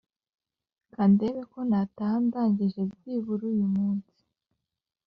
Kandebe ko nataha ndangije byibura uyu munsi